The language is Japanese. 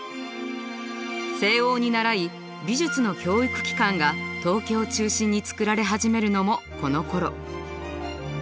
西欧に倣い美術の教育機関が東京中心に作られ始めるのもこのころ。